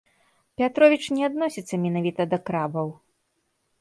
Пятровіч не адносіцца менавіта да крабаў.